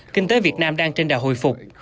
kinh tế việt nam đang trên đà hồi phục